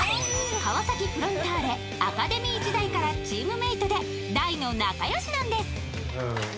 川崎フロンターレアカデミー時代からチームメートで大の仲良しなんです！